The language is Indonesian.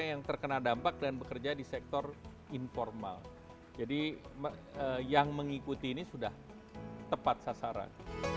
yang terkena dampak dan bekerja di sektor informal jadi yang mengikuti ini sudah tepat sasaran